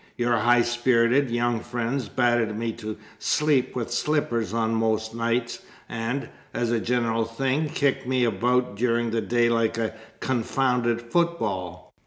Your high spirited young friends batter me to sleep with slippers on most nights, and, as a general thing, kick me about during the day like a confounded football!